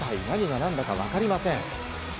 何が何だか分かりません。